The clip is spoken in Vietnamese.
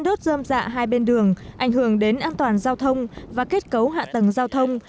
đốt dâm dạ hai bên đường ảnh hưởng đến an toàn giao thông và kết cấu hạ tầng giao thông